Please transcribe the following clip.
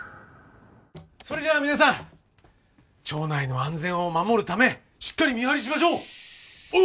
それじゃあ皆さん町内の安全を守るためしっかり見張りしましょう！